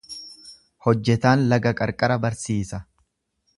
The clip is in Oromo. Hojjetaan laga qarqara barsiisa.